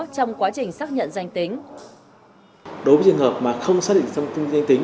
đối với trường hợp mà không xác định trong công dân danh tính